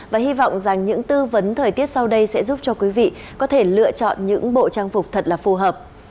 và hy vọng rằng những tư vấn thời tiết sau đây sẽ giúp cho quý vị có thể lựa chọn những bộ trang phục thật là phù hợp